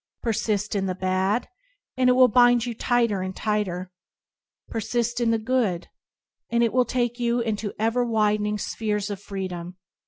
Persist in the bad, and it will bind you tighter and tighter; persist in the good, and it will take you into ever widening spheres of freedom.